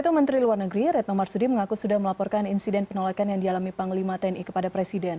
menteri luar negeri retno marsudi mengaku sudah melaporkan insiden penolakan yang dialami panglima tni kepada presiden